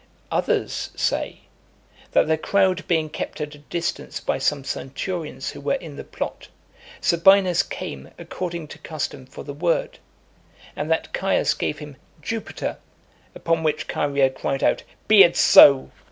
Others say, that the crowd being kept at a distance by some centurions who were in the plot, Sabinus came, according to custom, for the word, and that Caius gave him "Jupiter," upon which Chaerea cried out, "Be it so!"